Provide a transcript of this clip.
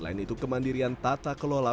untuk kemandirian tata kelola